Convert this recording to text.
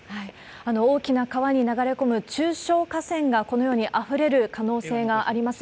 大きな川に流れ込む中小河川がこのようにあふれる可能性があります。